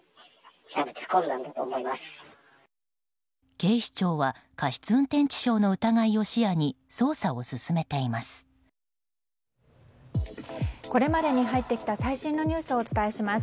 警視庁は過失運転致傷の疑いを視野に、捜査を進めています。